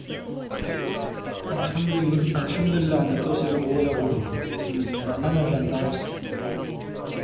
It is an international tournament that is organized by the Rugby League International Federation.